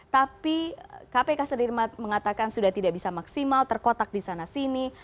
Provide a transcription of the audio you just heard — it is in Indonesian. tapi kpk sendiri mengatakan sudah tidak bisa maksimal terkotak di sana sini